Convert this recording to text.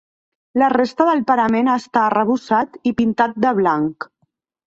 La resta del parament està arrebossat i pintat de blanc.